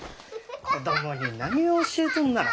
子供に何ゅう教えとんなら。